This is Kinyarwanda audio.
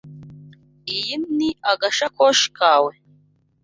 Iyi ni agasakoshi kawe?